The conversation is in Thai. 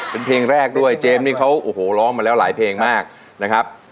เป็นเพลงแรกด้วยเจมส์นี่เขาโอ้โหร้องมาแล้วหลายเพลงมากนะครับ